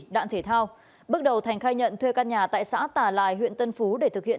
đạn thể thao bước đầu thành khai nhận thuê căn nhà tại xã tà lài huyện tân phú để thực hiện